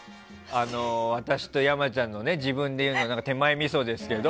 私と山ちゃんの、自分で言うのは手前味噌ですけど。